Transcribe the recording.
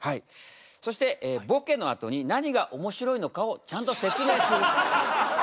そしてボケのあとに何がおもしろいのかをちゃんと説明する。